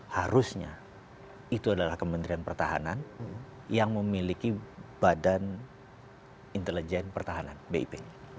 harusnya itu adalah kementerian pertahanan yang memiliki badan intelijen pertahanan bip